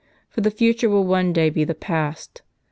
For the future will one day be the past.